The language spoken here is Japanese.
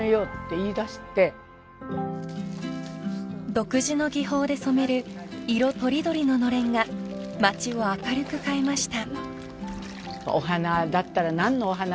［独自の技法で染める色とりどりののれんが町を明るく変えました］